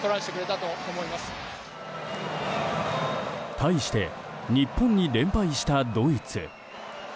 対して日本に連敗したドイツ。